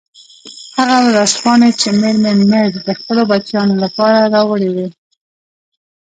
هغه ورځپاڼو کې چې میرمن مېرز د خپلو بچیانو لپاره راوړي وې.